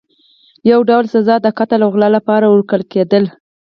یو ډول سزا د قتل او غلا لپاره ورکول کېدله.